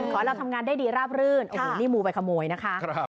ขอให้เราทำงานได้ดีราบรื่นโอ้โหนี่มูไปขโมยนะคะ